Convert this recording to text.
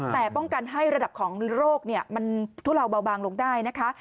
แต่ป้องกันให้ระดับของโรคมันทุเลาเบาบางลงได้นะคะ